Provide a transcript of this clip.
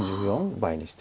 倍にして。